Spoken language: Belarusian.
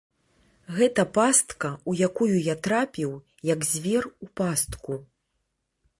Гэта пастка, у якую я трапіў, як звер у пастку.